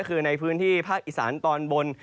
ถือในพื้นที่อิสานตอนบน